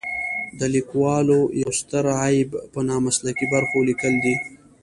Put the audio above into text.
د لیکوالو یو ستر عیب په نامسلکي برخو لیکل دي.